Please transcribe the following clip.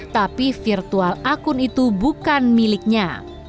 tapi virtual akun itu bukan miliknya